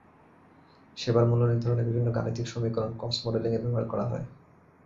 সেবার মূল্য নির্ধারণে বিভিন্ন গাণিতিক সমীকরণ কস্ট মডেলিংয়ে ব্যবহার করা হয়।